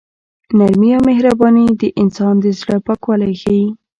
نرمي او مهرباني د انسان د زړه پاکوالی ښيي.